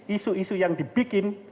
isu isu yang dibikin